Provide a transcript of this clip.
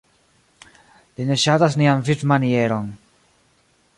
Li ne ŝatas nian vivmanieron.